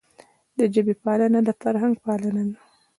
د ژبي پالنه د فرهنګ پالنه ده.